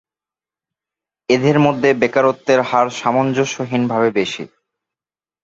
এঁদের মধ্যে বেকারত্বের হার সামঞ্জস্যহীনভাবে বেশি।